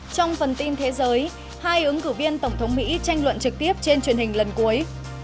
trong phần tin thế giới hai ứng cử viên tổng thống mỹ tranh luận trực tiếp trên truyền hình lần cuối